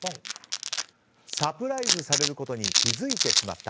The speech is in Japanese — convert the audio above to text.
サプライズされることに気づいてしまった。